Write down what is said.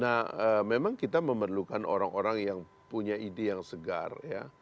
nah memang kita memerlukan orang orang yang punya ide yang segar ya